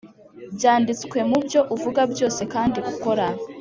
byanditswe mubyo uvuga byose kandi ukora.